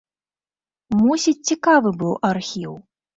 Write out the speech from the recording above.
Мусіць, цікавы быў архіў.